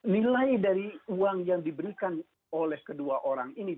nilai dari uang yang diberikan oleh kedua orang ini